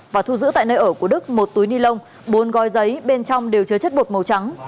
và thu giữ tại nơi ở của đức một túi ni lông bốn gói giấy bên trong đều chứa chất bột màu trắng